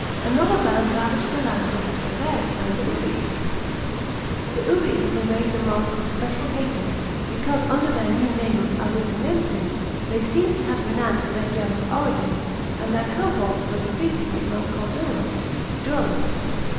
Another band ravaged the lands of the Treveri and Ubii. The Ubii were made the mark of special hatred, because under their new name of Agrippinens< s they seemed to have renounced their German origin ; and their cohorts were defeated at Marcodnrum (Dtiren).